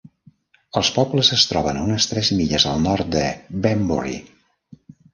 Els pobles es troben a unes tres milles al nord de Banbury.